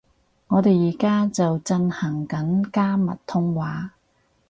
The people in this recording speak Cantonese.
我哋而家就進行緊加密通話